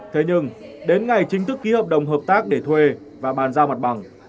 thế nhưng đến ngày chính thức ký hợp đồng hợp tác để thuê và bàn giao mặt bằng